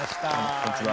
こんにちは。